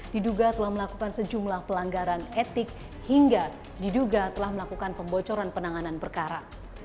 diduga telah melakukan sejumlah pelanggaran etik hingga diduga telah melakukan pembocoran penanganan perkara